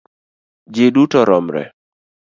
Ji duto romre